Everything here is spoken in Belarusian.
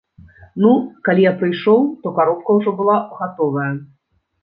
Ну, калі я прыйшоў, то каробка ўжо была гатовая.